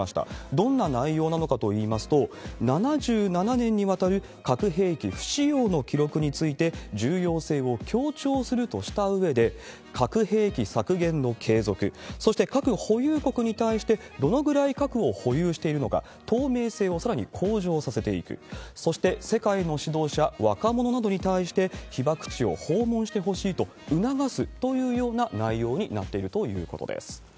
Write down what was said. どんな内容なのかといいますと、７７年にわたる核兵器不使用の記録について、重要性を強調するとしたうえで、核兵器削減の継続、そして核保有国に対して、どのぐらい核を保有しているのか、透明性をさらに向上させていく、そして世界の指導者、若者などに対して、被爆地を訪問してほしいと促すというような内容になっているということです。